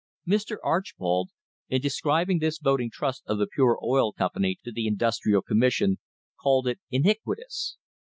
Mr. Archbold, in describing this voting trust of the Pure Oil Company to the Industrial Commission, called it "iniquitous."